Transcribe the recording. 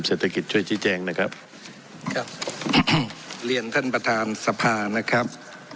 เศรษฐกิจช่วยชี้แจงนะครับครับเรียนท่านประธานสภานะครับ